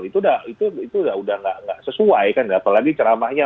itu sudah tidak sesuai apalagi ceramahnya